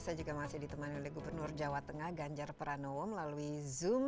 saya juga masih ditemani oleh gubernur jawa tengah ganjar pranowo melalui zoom